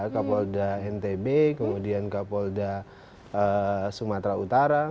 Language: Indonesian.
kapolda ntb kemudian kapolda sumatera utara